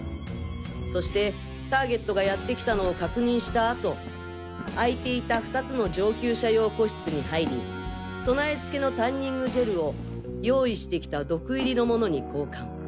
そしてターゲットがやって来たのを確認したあと空いていた２つの上級者用個室に入り備えつけのタンニングジェルを用意してきた毒入りのものに交換。